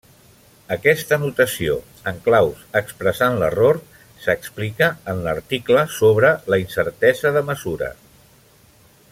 Aquesta notació en claus expressant l'error s'explica en l'article sobre la incertesa de mesura.